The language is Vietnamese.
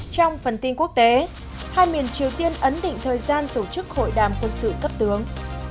trong phần tin quốc tế hai miền triều tiên ấn định thời gian tổ chức hội đàm quân sự cấp tướng